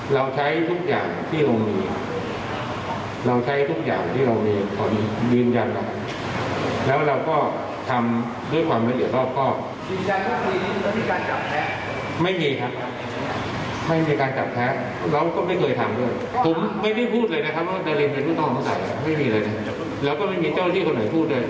เราใช้ทุกอย่างที่เรามีเราใช้ทุกอย่างที่เรามีของยืนยันนะ